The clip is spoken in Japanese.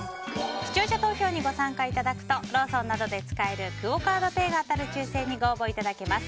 視聴者投票にご参加いただくとローソンなどで使えるクオ・カードペイが当たる抽選にご応募いただけます。